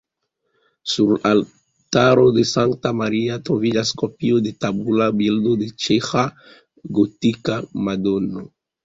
Sur altaro de Sankta Maria troviĝas kopio de tabula bildo de ĉeĥa gotika Madono.